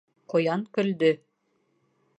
Ҡуян көлдө.